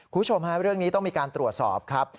คุณผู้ชมฮะเรื่องนี้ต้องมีการตรวจสอบครับ